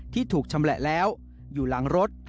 ที่ถูกชำแหละแล้วอยู่หลังรถ